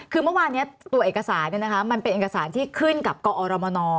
คือเมื่อวานนี้ตัวเอกสารมันเป็นเอกสารที่ขึ้นกับกอรมน